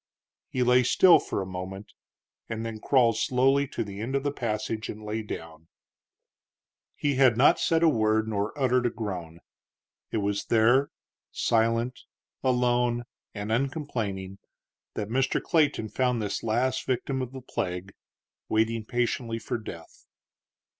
He lay still for a moment, and then crawled slowly to the end of the passage and lay down. He had not said a word nor uttered a groan. It was there, silent, alone, and uncomplaining, that Mr. Clayton found this last victim of the plague waiting patiently for death.